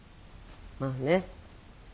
まあね。